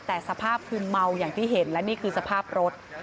แต่สภาพคือเมาอย่างที่เห็นและนี่คือสภาพรถ